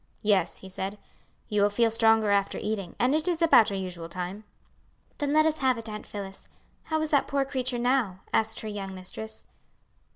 "Yes," he said; "you will feel stronger after eating, and it is about our usual time." "Then let us have it, Aunt Phillis. How is that poor creature now?" asked her young mistress.